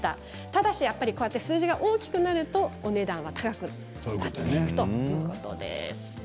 ただ、こうやって数字が大きくなるとお値段は高くなっていくということです。